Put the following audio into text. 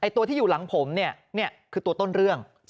ตัวที่อยู่หลังผมคือตัวต้นเรื่อง